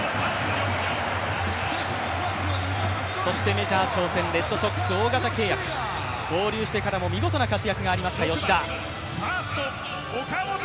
メジャー挑戦、レッドソックス大型契約、合流してからも見事な活躍がありました吉田。